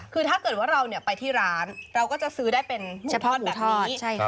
คือถ้าเกิดว่าเราไปที่ร้านเราก็จะซื้อได้เป็นเฉพาะแบบนี้